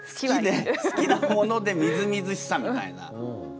好きなものでみずみずしさみたいな。